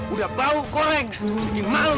udah bau koreng bikin malu lagi